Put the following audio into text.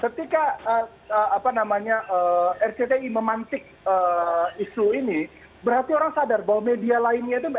ketika rcti memantik isu ini berarti orang sadar bahwa media lainnya itu